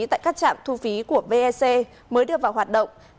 tại các trạm thu phí của vec